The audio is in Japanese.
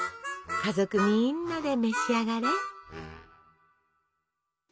家族みんなで召し上がれ！